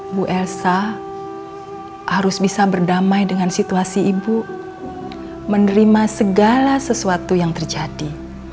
ibu elsa harus bisa berdamai dengan situasi ibu menerima segala sesuatu yang terjadi